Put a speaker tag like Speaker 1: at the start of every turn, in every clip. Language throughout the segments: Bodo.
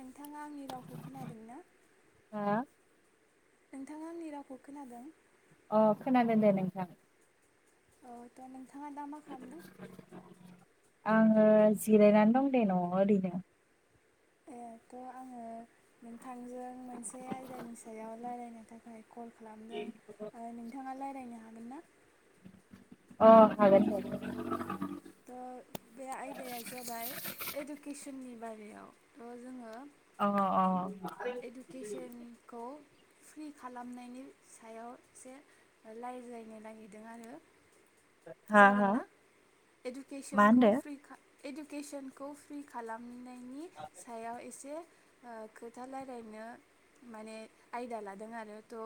Speaker 1: नोंथाङा आंनि रावखौ खोनादोंना?
Speaker 2: आंहा
Speaker 1: नोंथाङा आंनि रावखौ खोनादों
Speaker 2: अ खोनादों दे नोंथां
Speaker 1: औ नोंथाङा दा मा खालामदों?
Speaker 2: आङो जिरायनानै दं दे नआव ओरैनो
Speaker 1: ए थ' आङो नोंथांजों मोनसे आयदानि सायाव रायलायनो थाखाय कल खालामदों आरो नोंथाङा रायज्लायनो हागोन ना
Speaker 2: अ हागोन दे
Speaker 1: थ' बे आयदाया जाबाय एडुकेसननि बारायाव थ' जोङो
Speaker 2: अ अ!
Speaker 1: एडुकेसनखौ फ्रि खालामनायनि सायाव एसे रायज्लायनो नागिरदों आरो।
Speaker 2: हा
Speaker 1: जागोन
Speaker 2: हा
Speaker 1: ना
Speaker 2: मा
Speaker 1: एडकेसनखौ
Speaker 2: होनदो
Speaker 1: फ्रि खा इडुकेसनखौ फ्रि खालामनायनि सायाव एसे खोथा रायलायनो माने आयदा लादों आरो थ'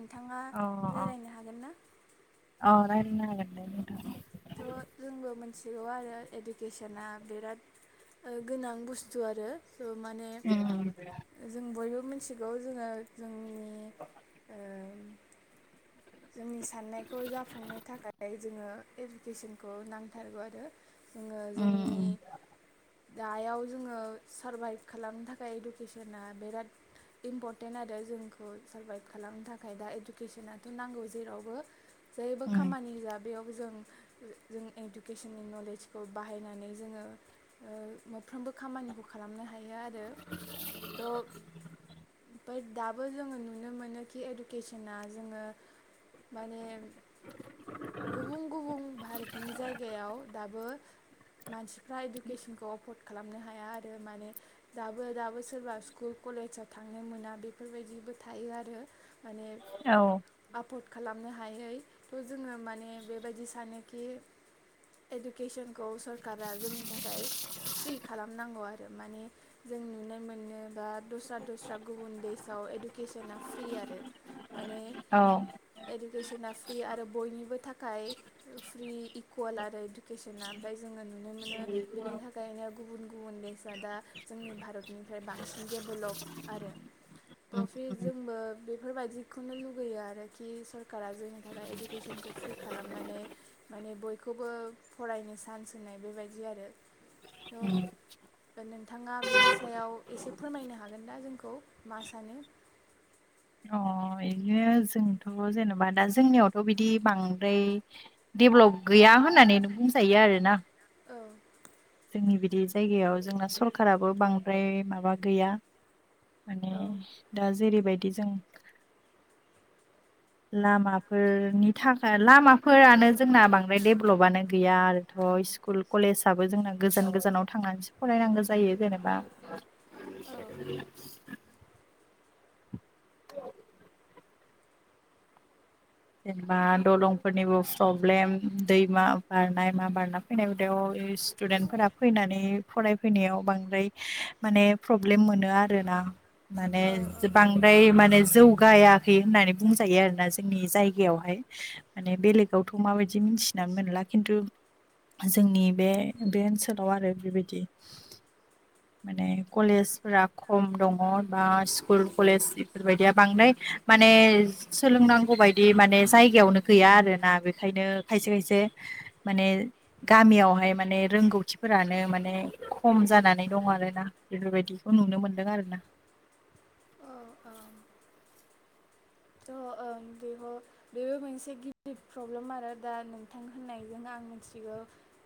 Speaker 1: नोंथाङा
Speaker 2: अ
Speaker 1: रायज्लायनो हागोन ना
Speaker 2: रायज्लायनो हागोन दे नोंथां
Speaker 1: थ' जोंबो मिथिगौ आरो इडुकेसना बिराद गोनां बुस्थु आरो। सो' माने
Speaker 2: उम
Speaker 1: जों बयबो मिथिगौ जोङो जोंनि ओ जोंनि साननायखौ जाफुंनो थाखाय जोङो एडकेसनखौ नांथारगौ आरो। जोङो
Speaker 2: उम
Speaker 1: जोंनि दयाव जोङो सारभाइभ खालामनो थाखाय इडुकेसना बिराद इम्परटेन्ट आरो जोंखौ सारभाइभ खालामनो थाखाय दा इडुकेसना ना जेरै बो जेबो
Speaker 2: उम
Speaker 1: खामानि होयो बेयावबो जों जों इडुकेसननि नलेजखौ बाहायनानै जोङो साफ्रोमबो खामानिखौ खालामनो हायो आरो थ' दाबो जोङो नुनो मोनो कि इडुकेसना जोङो माने गुबुन गुबुन भारतनि जायगायाव दाबो मानसिफ्रा इडुकेसनखौ एफर्ड खालामनो हाया आरो माने दाबो दाबो सोरबा स्कुल कलेजाव थांनो मोना बेफोरबायदिबो थायो आरो माने
Speaker 2: औ।
Speaker 1: आफद खालामनो हायै जोङो माने बेबायदि सानोखि इडुकेसनखौ सरकारा जोंनि थाखाय फ्रि खालामनांगौ आरो माने जों जों नुनाय मोनोबा दस्रा दस्रा गुबुन देसाव इडुकेसना फ्रि आरो। माने
Speaker 2: औ
Speaker 1: इडुकेसना फ्रि आरो बयनिबो थाखाय फ्रि इकुवेल आरो इडुकेसना ओमफ्राय जोङो नुनो मोनो बिनि थाखायनो दा गुबुन गुबुन फेसाआ जोंनि भारतनिफ्राय बांसिन डेभलप आरो। थ
Speaker 2: उम
Speaker 1: फि
Speaker 2: उम।
Speaker 1: जोंबो बेफोरबायदिखौनो लुगैयो आरो। आरोखि सरकारा जोंनि थाखाय इडुकेसनखौ फ्रि खालामनानै माने बयखौबो फराय बायनो चान्स होनाय बेबायदि आरो थ नोंथाङा बिनि सायाव एसे फोरमायनो हागोन ना जोंखौ मा सानो
Speaker 2: अ। जोंथ' जेनेबा दा जोंनियावथ' बिदि बांद्राय डेभेलब गैया होननानै बुंजायो आरो ना
Speaker 1: औ
Speaker 2: जोंनि बिदि जायगायाव जोंना सरखाराबो बांद्राय माबा गैया माने
Speaker 1: औ
Speaker 2: दा जेरैबायदि जों लामाफोरनि थाखाय लामाफोरानो जोंना बांद्राय डेभलपानो गैया आरो। थ' स्कुल कलेजाबबो जोंना गोजान गोजानाव थांनानैसो फरायनांगौ जायो जेनेबा [inaudible]
Speaker 1: औ
Speaker 2: औ। जेनेबा दलंफोरनिबो प्रब्लेम दैमा बारनाय मा बारना फैनाय हदायाव स्टदेन्टफोरा फैनानै फरायफैनायाव बांद्राय माने प्रब्लेम मोनो आरोना। माने
Speaker 1: औ
Speaker 2: बांद्राय माने जौगायाखै होननानै बुंजायो आरोना जोंनि जाय गायाव माने बेलेगावथ' माबायदि मिथिनानै मोनला खिन्थु जोंनि बे बे ओनसोलाव आरो बेबायदि माने कलेजफोरा खम दङ बा स्कुल कलेज बेफोरबायदिया बांद्राय माने सोलों नांगौ बाय बिदि माने जायगायावनो गैया आरोना बेखायनो खायसे खायसे माने गामियाव बेवहाय माने रोंगौथिफोरानो माने खम जानानै दं आरोना बेफोरबायदिखौ नुनो मोनदों आरो [inaudible]
Speaker 1: औ औ ओं बेहो बेबो मोनसे गिदिर प्रब्लेम आरो दा नोंथां होननायजों आं आं मिथिगौ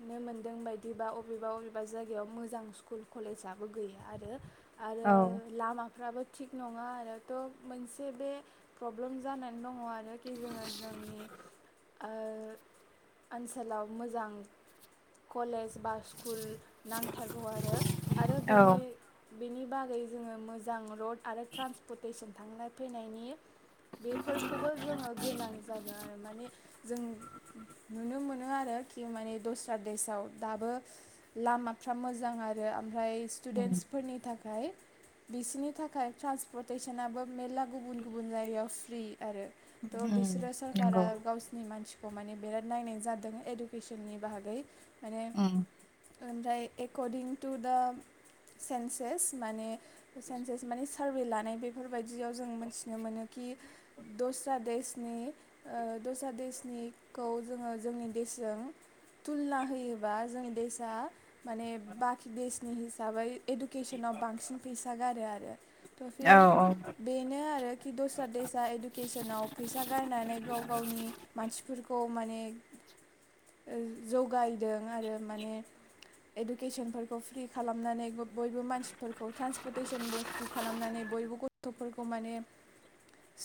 Speaker 1: नुनो मोन्दों बायदिबा अबेबा अबेबा जायगायाव मोजां स्कुल कलेजाबो गैया। आरो आरो
Speaker 2: औ
Speaker 1: लामाफ्राबो थिग नङा आरोथ' मोनसे बे प्रब्लेम जानानै दङ आरोखि जोङो जोंनि ओ ओनसोलाव मोजां कलेज बा सु कुल नांथारगौ आरो आरो
Speaker 2: औ
Speaker 1: बेनि बेनि बागै जोङो मोजां रड आरो ट्रान्सपर्टेसन थांनाय फैनायनि बेफोरखौबो जोङो गोनां जागोन आरो माने जों नुनो मोनो आरोखि माने दस्रा देसाव दाबो लामा फ्रा मोजां आरो ओमफ्राय
Speaker 2: उम
Speaker 1: स्टुडेन्सफोरनि थाखाय बिसिनि थाखाय ट्रान्सपर्टेसनाबो मेरला गुबुन गुबुन जायगायाव फ्रि आरो थ'
Speaker 2: उम
Speaker 1: बिसोरो सरकारा
Speaker 2: नंगौ
Speaker 1: गावसिनि मानसिखौ माने बिराद नायनाय जादों एडुकेसननि बागै माने
Speaker 2: उम
Speaker 1: ओमफ्राय एकरडिं टु दा सेन्सेस माने न्सेस माने सारभे लानाय बेफोरबायदियाव जों मोन मोनोखि दस्रा देसनि ओ दस्रा देसनिखौ जोङो जोंनि देशजों थुलना होयोबा जोंनि देसाआ माने बाखि देशनि हिसाबै इडुकेसनाव बांसिन फैसा गारो आरो थ'
Speaker 2: औ
Speaker 1: फिर बेनो आरो कि दस्रा दैसा इडुकेसनाव फैसा गारनानै गाव गावनि मानसिफोरखौ माने जगायदों आरो माने इडुकेसनफोरखौ फ्रि खालामनानै बयबो मानसिफोरखौ ट्रान्सपर्टेसनबो फ्रि खालामनानै बयबो बे गथ'फोरखौ माने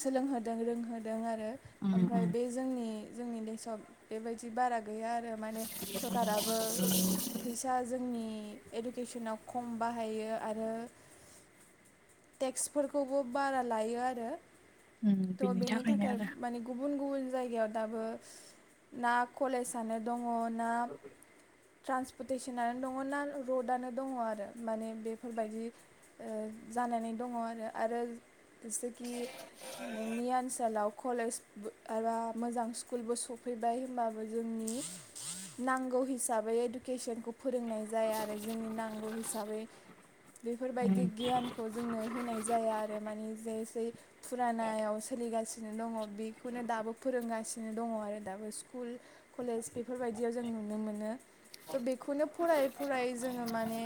Speaker 1: सोलोंहोदों रोंहोदों आरो
Speaker 2: उम
Speaker 1: ओमफ्राय
Speaker 2: उम
Speaker 1: बे जोंनि जोंनि देसआव बेबायदि बारा गैया आरो माने सरकाराबो फैसा जोंनि इडुकेसनाव खम बाहायो आरो टेक्सफोरखौबो बारा लायो आरो
Speaker 2: उम
Speaker 1: त
Speaker 2: बिनि
Speaker 1: बेनि
Speaker 2: थाखायनो
Speaker 1: थाखाय
Speaker 2: आरो
Speaker 1: माने गुबुन गुबुन जायगायाव दाबो ना कलेजनो दङ ना ट्रान्सपटेसनानो दङ ना रडानो दं जानानै दङ आरो आरो जेसेखि नोंनि ओनसोलाव कलेज एबा मोजां स्कुलबो स सफैबाय होमबाबो जोंनि नांगौ हिसाबै इडुकेसनखौ फोरोंनाय जाया आरो जोंनि नांगौ हिसाबै बेफोरबायदि
Speaker 2: उम
Speaker 1: गियानखौ जोंनो होनाय जाया। आरो मानि जे जै फुरानाव सोलिगासिनो दङ बेखौनो दाबो फोरोंगासिनो दङ आरो दाबो स्कुल कलेज बेफोरबायदियाव जों नुनो मोनो। थ' बेखौनो फरायै फरायै जोङो माने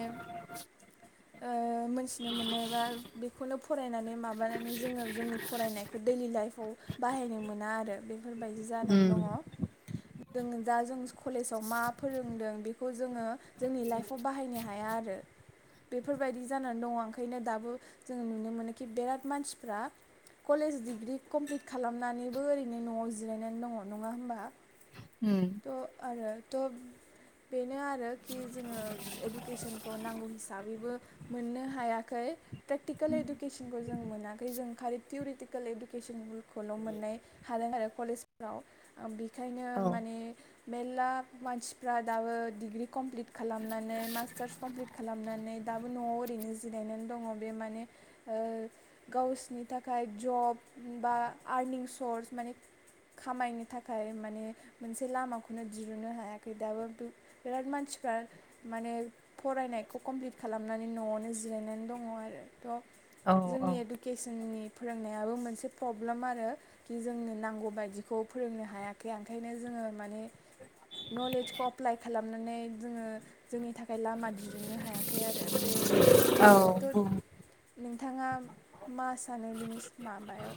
Speaker 1: ओ मोनथिनो मोनो बा बेखौनो फरायनानै माबानानै जोङो जोंनि फरायनायखौ दैलि लाइफआव बाहायनो मोना आरो। बेफोरबायदि जानानै दङ।
Speaker 2: उम
Speaker 1: जों दा जों कलेजाव मा फोरोंदों बेखौ जोंङो जोंनि लाइफआव बाहायनो हाया आरो बेफोरबायदि जानानै दंङ ओंखायनो दाबो जोंङो नुनो मोनोखि बिराद मानसिफ्रा कलेज डिग्रि कमप्लिट खालामनानैबो ओरैनो नआव जिरायनानै दङ नङा होमबा
Speaker 2: उम
Speaker 1: आरोथ बेनो आरोखि जोंङो इडुकेसनखौ नांगौ हिसाबैबो मोननो हायाखै [unintelligible] प्रेकटिकोल इडुकेसनखौ जों मोनाखै जों खालि थिउरिटिकोल इडुकेसनखौल' मोननाय हादों आरो कलेजफोराव। ओ बेखायनो
Speaker 2: औ
Speaker 1: माने मेल्ला मानसिफ्रा दाबो डिग्रि कमप्लिट खालामनानै मास्टार्स कमप्लिट खालामना नै दाबो न'आव ओरैनो जिरायनानै दङ' बे मान ओ गावसनि थाखाय ज' ब बा आरनिं सर्स माने खामायनो थाखाय माने मोन से लामाखौनो दिरुनो हायाखै दाबो बि-बिराद मानसिफ्रा माने फरायनायखौ कमप्लिट खालामनानै न'आवनो जिरायनानै दङ' आरो।
Speaker 2: औ
Speaker 1: थ' जोंनि
Speaker 2: औ
Speaker 1: इडुकेसननि फोरोंनायाबो मोनसे पब्लोम आरो खि जोंनो नांगौ बायदिखौ फोरोंनो हायाखै ओंखायनो जोङो माने नलेजखौ अप्लाइ खालामनानै जोङो जोंनि थाखाय लामा दिरुननो हायाखै आरो। बे आरोथ'
Speaker 2: औ
Speaker 1: नों थाङा मा सानो बिनिस माबायाव?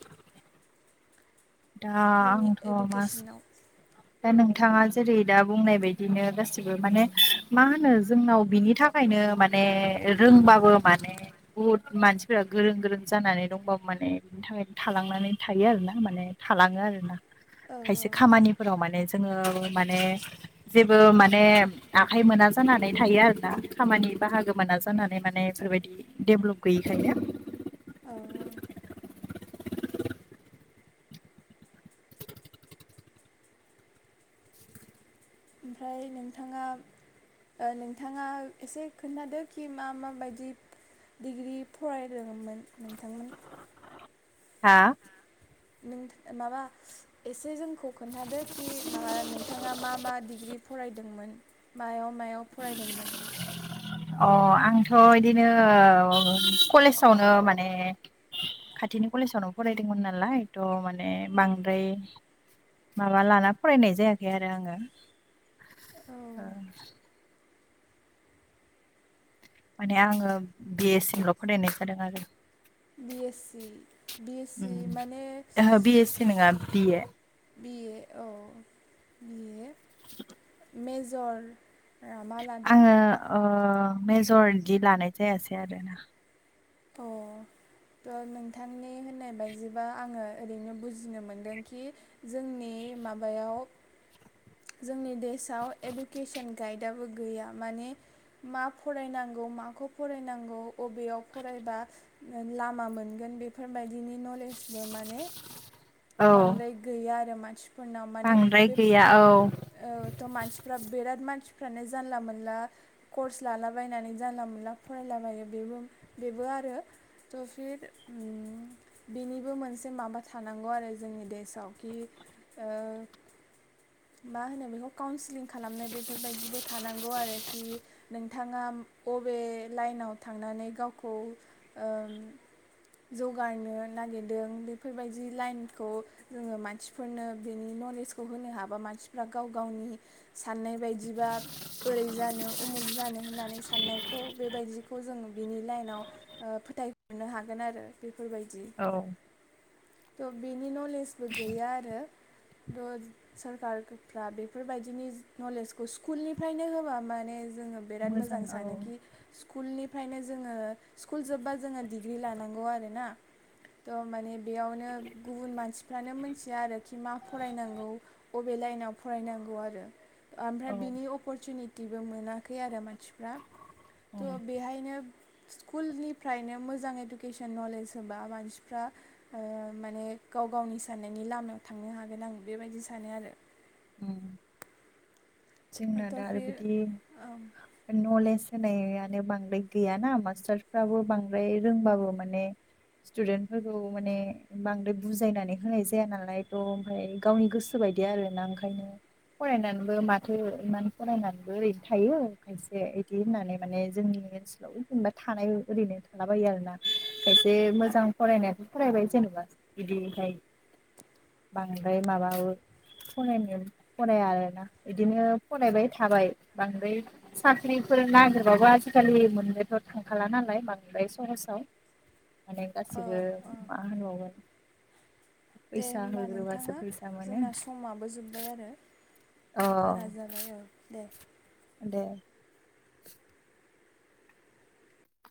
Speaker 2: दा
Speaker 1: जोंनि
Speaker 2: आंथ मास
Speaker 1: इडुकेसनाव
Speaker 2: दा नों थांङा जेरै दा बुंनाय बायदिनो गासिबो माने मा होनो जोंनाव बिनि थाखायनो माने ने रोंबाबो माने बुहुद मानसिफोरा गोरों गोरों जानानै दंबावो माने बिनि थाखायनो थालांनानै थायो आरोना माने थालांङो आरोना।
Speaker 1: औ
Speaker 2: खायसे खामानिफोराव माने जोंङो माने जेबो माने आखाइ मोना जानानै थायो आरोना। खामानि बाहागो मोना जानानै माने बेफोरबायदि डेभलप गैयिखायनो।
Speaker 1: अ ओमफ्राय नोंथाङा ओ नोंथाङा एसे खोन्थादो खि मा मा बायदि डिग्रि फरायलोङोमोन नोंथांमोनहा?
Speaker 2: हा
Speaker 1: नोंथ माबा एसे जोंखौ खोन्थादो खि माबा नोंथाङा मा मा डिग्रि फरायदोंमोन मायाव मायाव फरायदोंमोन?
Speaker 2: अ आंथ इदिनो कलेजावनो माने खाथिनि कलेजावनो फरायदोंमोन नालाय थ' मा ने बांद्राय माबा लाना फरायनाय जायाखै आरो आंङो।
Speaker 1: औ
Speaker 2: ओ माने आंङो बिए सिमल फरायनाय जादों आरो।
Speaker 1: बिए सि बिए सि
Speaker 2: उम
Speaker 1: माने
Speaker 2: ओहो बि एस सि नङा बिए
Speaker 1: बिए औ बिए
Speaker 2: [unintelligible]
Speaker 1: मेजर
Speaker 2: आङो ओ मेजर इदि लानाय जायासै आरोना।
Speaker 1: अ थ' नोंथांनि होननाय बायदिबा आङो ओरैनो बुजिनो मोनदोंखि जोंनि माबायाव जोंनि देशआव एडुकेसन गाइडआबो गैया माने मा फरायनांगौ माखौ फरायनांगौ अबेयाव फरायबा ओ लामा मोनगोन बेफोरबायदिनि नलेजबो माने
Speaker 2: औ
Speaker 1: बांद्राय गैया आरो मानसिफोरनाव। माने
Speaker 2: बांद्राय
Speaker 1: बे
Speaker 2: गैया औ
Speaker 1: औ थ' मानसिफ्रा बिराद मानसि फ्रानो जानला मोनला कर्स लालाबायनानै जानला मोनला फरायलाबायो बेबो बेबो आरो। थ' फिर उम बेनिबो मोनसे माबा थानांगौ आरो जोंनि देशाव खि ओ मा होनो बेखौ काउन्सिलिं खालामनाय बेफोरबायदिबो थानांगौ आरोखि नोंथाङा बबे लाइनाव थांनानै गावखौ ओ जौगानो नागिरदों बेफोरबायदि लाइनखौ जोङो मानसिफोरनो बेनि नलेजखौ होनो हाबा मानसि फ्रा गाव गावनि साननाय बायदिबा ओरै जानो उमुख जानो होननानै साननाय खौ बेबायदिखौ जों बिनि लाइनाव ओ फोथायहरनो हागोन आरो बे बेफोरबायदि।
Speaker 2: औ
Speaker 1: थ' बेनि नलेजबो गैया आरो थ' सरकार फ्रा बेफोरबायदिनि नलेजखौ स्कुलनिफ्रायनो होबा माने जोङो बिराद मोजां सानोखि स्कुलनि ओमखायनो जोङो स्कुल जोबबा जोङो डिग्रि लानांगौ आरोना। थ' माने बेयावनो गुबुन मानसिफ्रानो मोनथिया आरोखि मा फरायनांगौ अबे लाइनाव फरायनांगौ आरो ओमफ्राय
Speaker 2: औ
Speaker 1: बिनि अपरसुनिटिबो मोनाखै आरो मानसिफ्रा। थ
Speaker 2: औ
Speaker 1: बेहायनो स्कुलनिफ्रायनो मोजां इडुकेसन नलेज होबा मानसिफ्रा ओ माने गाव गावनि साननायनि लामायाव थांनो हागोन आं बेबायदि सानो आरो।
Speaker 2: जोंना
Speaker 1: थ'
Speaker 2: दा आरो
Speaker 1: फिर
Speaker 2: बिदि
Speaker 1: ओं
Speaker 2: नलेज होनायानो बांद्राय गैयाना मास्टारसफ्राबो बांद्राय रोंबाबो माने स्टुदेन्टफोरखौ माने बांद्राय बुजायनानै होनाय जाया नालाय थ' ओमफ्राय गावनि गोसो बायदि आरोना ओंखायनो फरायनानैबो मा माथो इमान फरायनानैबो ओरैनो थायो खायसे इदि होननानै माने जोंनि ओनसोलाव जेनेबा थानाय ओरैनो थालाबायो आरोना खायसे मोजां फरायनायाथ' फरायबाय जेनेबा बिदिहाय।
Speaker 1: [inaudible]
Speaker 2: बांद्राय माबाबो फरायनो फराया आरोना। बिदिनो फरायबाय थाबाय बांद्राय साख्रिफोर नागिरबाबो आजिखालि मोननोथ' थांखाला नालाय बांद्राय सहसाव।
Speaker 1: [inaudible]
Speaker 2: माने
Speaker 1: औ
Speaker 2: गासिबो
Speaker 1: औ
Speaker 2: मा होनबावगोन।
Speaker 1: दे
Speaker 2: फैसा
Speaker 1: होमबा
Speaker 2: होग्रोबासो
Speaker 1: नोंथाङा
Speaker 2: फैसा मोनो
Speaker 1: जोंना समाबो जोब्बाय आरो।
Speaker 2: अ
Speaker 1: बारा जाबाय औ दे।
Speaker 2: दे।